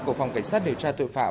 của phòng cảnh sát điều tra tội phạm